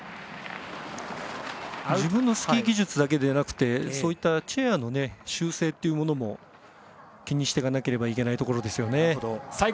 自分のスキー技術だけでなくてそういったチェアの修正というものも気にしていかなければいけないところですよね。